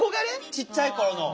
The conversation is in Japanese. ちっちゃい頃の。